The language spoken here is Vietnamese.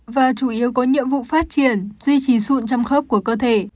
và chủ yếu có nhiệm vụ phát triển duy trì sụn trong khớp của cơ thể